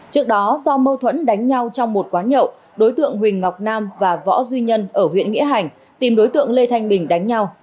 trước đó do mâu thuẫn đánh nhau trong một quán nhậu đối tượng huỳnh ngọc nam và võ duy nhân ở huyện nghĩa hành tìm đối tượng lê thanh bình đánh nhau